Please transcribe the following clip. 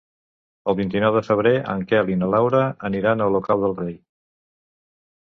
El vint-i-nou de febrer en Quel i na Laura aniran a Olocau del Rei.